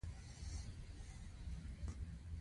په تنزیه کې دومره پر مخ لاړل.